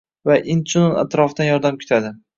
va inchunun, atrofdan yordam kutadi.